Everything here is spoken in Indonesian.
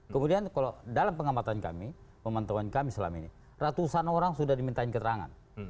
kemudian kalau dalam pengamatan kami pemantauan kami selama ini ratusan orang sudah dimintain keterangan